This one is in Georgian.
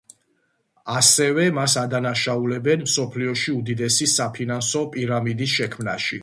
ასევე მას ადანაშაულებენ მსოფლიოში უდიდესი საფინანსო პირამიდის შექმნაში.